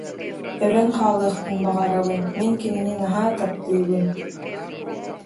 Өлөн хаалыахпын баҕарабын, мин кинини наһаа таптыыбын